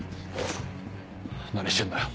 何してんだよ。